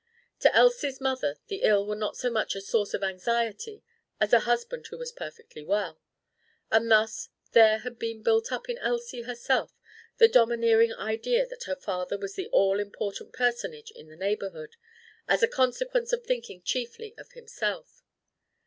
To Elsie's mother the ill were not so much a source of anxiety as a husband who was perfectly well; and thus there had been built up in Elsie herself the domineering idea that her father was the all important personage in the neighborhood as a consequence of thinking chiefly of himself.